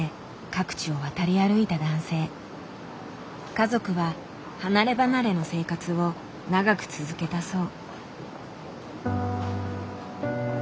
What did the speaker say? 家族は離ればなれの生活を長く続けたそう。